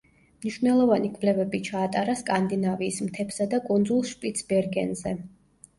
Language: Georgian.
მნიშვნელოვანი კვლევები ჩაატარა სკანდინავიის მთებსა და კუნძულ შპიცბერგენზე.